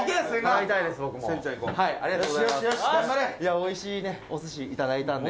おいしいね、お寿司いただいたんで。